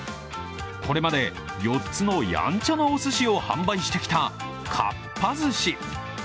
これまで、４つのやんちゃなおすしを販売してきたかっぱ寿司。